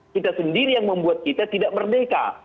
kita sendiri yang membuat kita tidak merdeka